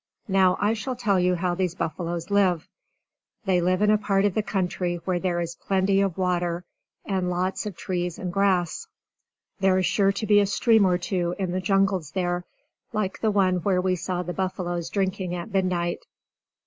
Now I shall tell you how these buffaloes live. They live in a part of the country where there is plenty of water, and lots of trees and grass. There is sure to be a stream or two in the jungles there, like the one where we saw the buffaloes drinking at midnight.